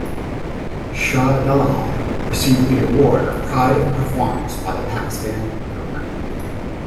Shahidullah received the award of Pride of Performance by the Pakistan government.